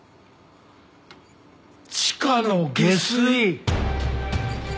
地下の下水。